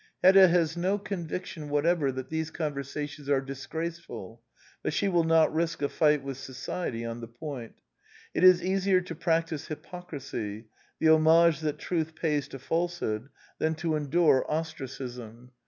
Hedda has no conviction whatever that these con versations are disgraceful; but she will not risk a fight with society on the point: it is easier to practise hypocrisy, the homage that truth pays to falsehood, than to endure ostracism.